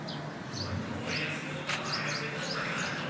本当は安物だったからすてたんじゃないの？